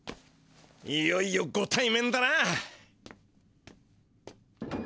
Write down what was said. いよいよご対面だな！